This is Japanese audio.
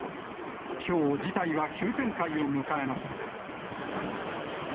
きょう事態は急展開を迎えました。